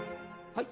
はい。